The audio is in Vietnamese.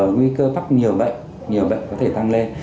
nguy cơ mắc nhiều bệnh nhiều bệnh có thể tăng lên